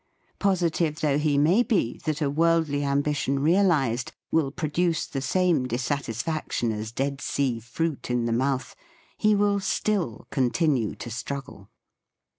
Positive though he may be that a world ly ambition realised will produce the same dissatisfaction as Dead Sea fruit in the mouth, he will still continue to struggle.